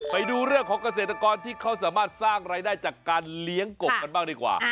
ไปดูเรื่องของเกษตรกรที่เขาสามารถสร้างรายได้จากการเลี้ยงกบกันบ้างดีกว่า